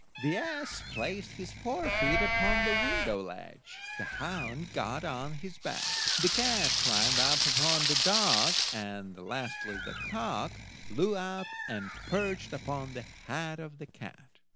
The ass placed his forefeet upon the window ledge, the hound got on his back, the cat climbed up upon the dog, and, lastly, the cock flew up and perched upon the head of the cat.